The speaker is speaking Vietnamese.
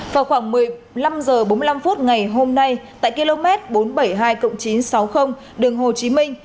vào khoảng một mươi năm h bốn mươi năm ngày hôm nay tại km bốn trăm bảy mươi hai chín trăm sáu mươi đường hồ chí minh